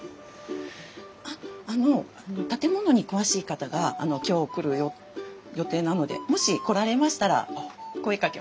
あっあの建物に詳しい方が今日来る予定なのでもし来られましたら声かけますね。